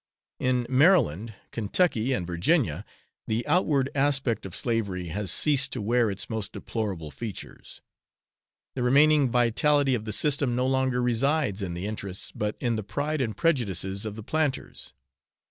In Maryland, Kentucky, and Virginia, the outward aspect of slavery has ceased to wear its most deplorable features. The remaining vitality of the system no longer resides in the interests, but in the pride and prejudices of the planters.